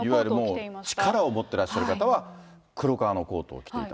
いわゆるもう力を持ってらっしゃる方は、黒革のコートを着ていた。